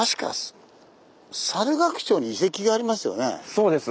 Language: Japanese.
そうです。